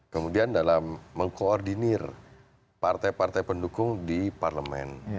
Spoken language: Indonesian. kemudian dalam mengkoordinir partai partai pendukung di parlemen